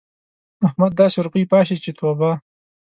احمد داسې روپۍ پاشي چې توبه!